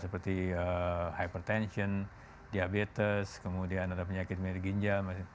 seperti hypertension diabetes kemudian ada penyakit mengeri ginjal